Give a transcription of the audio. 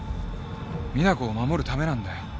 実那子を守るためなんだよ。